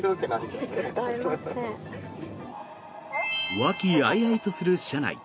和気あいあいとする車内。